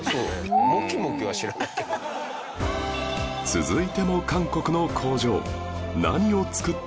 続いても韓国の工場